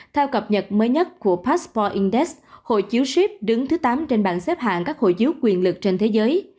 theo cập nhật mới nhất của paspor index hội chiếu ship đứng thứ tám trên bảng xếp hạng các hội chiếu quyền lực trên thế giới